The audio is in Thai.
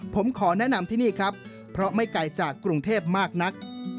ผมขอแนะนำที่นี่ครับเพราะไม่ไกลจากกรุงเทพมากนัก